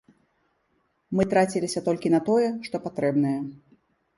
Мы траціліся толькі на тое, што патрэбнае.